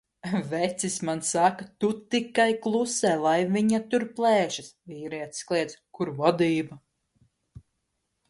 Vecis man saka: "Tu tikai klusē, lai viņa tur plēšas." Vīrietis kliedz: "Kur vadība?"